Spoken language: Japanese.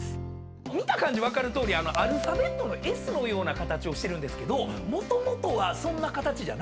見た感じ分かるとおりアルファベットのＳのような形してるんですけどもともとはそんな形じゃなかったんです。